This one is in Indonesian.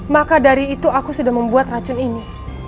maka dari itu aku sudah membuat racun ini